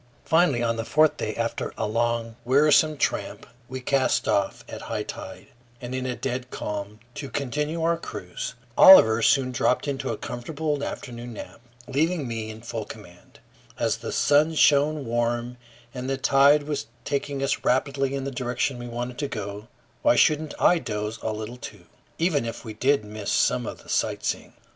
Finally, on the fourth day, after a long, wearisome tramp, we cast off at high tide, and in a dead calm, to continue our cruise. Oliver soon dropped into a comfortable afternoon nap, leaving me in full command. As the sun shone warm and the tide was taking us rapidly in the direction we wanted to go, why shouldn't I doze a little too, even if we did miss some of the sightseeing?